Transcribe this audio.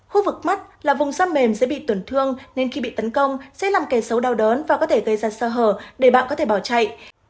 khu vực mắt là vùng xăm mềm sẽ bị tuần thương nên khi bị tấn công sẽ làm kẻ xấu đau đớn và có thể gây ra sơ hở để bạn có thể bảo chạy